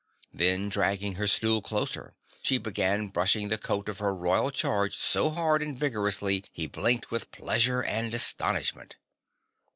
Then dragging her stool closer, she began brushing the coat of her royal charge so hard and vigorously he blinked with pleasure and astonishment.